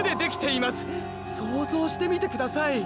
想像してみてください。